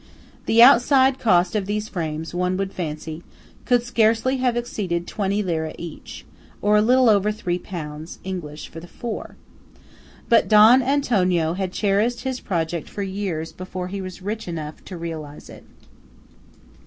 The outside cost of these frames, one would fancy, could scarcely have exceeded twenty lire each, or a little over three pounds English for the four. But Don Antonio had cherished his project "for years" before he was rich enough to realise it.